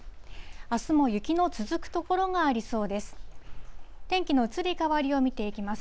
あすも雪の続く所がありそうです。